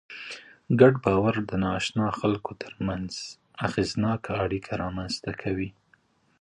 ګډ باور د ناآشنا خلکو تر منځ اغېزناکه اړیکې رامنځ ته کوي.